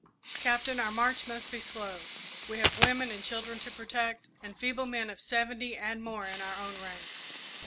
"Captain, our march must be slow. We have women and children to protect, and feeble men of seventy and more in our own ranks.